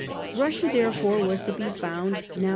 Russia therefore was to be found now 1839 40.